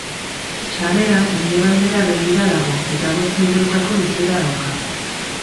Sarrera mendebaldera begira dago eta bost metrotako luzera dauka.